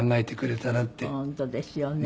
本当ですよね。